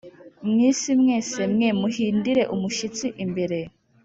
mu isi mwese mwe Muhindire umushyitsi imbere